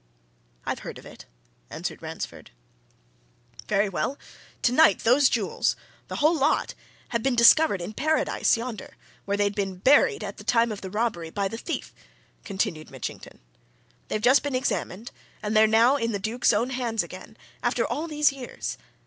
"I have heard of it," answered Ransford. "Very well tonight those jewels the whole lot! have been discovered in Paradise yonder, where they'd been buried, at the time of the robbery, by the thief," continued Mitchington. "They've just been examined, and they're now in the Duke's own hands again after all these years!